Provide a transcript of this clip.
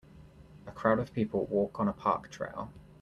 A crowd of people walk on a park trail